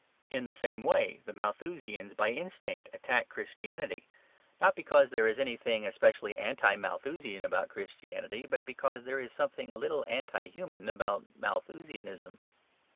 In the same way the Malthusians by instinct attacked Christianity; not because there is anything especially anti Malthusian about Christianity, but because there is something a little anti human about Malthusianism.